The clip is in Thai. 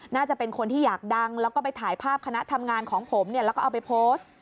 น่าจะเป็นคนที่อยากดังแล้วก็ไปถ่ายภาพคณะทำงานของผมเนี่ยแล้วก็เอาไปโพสต์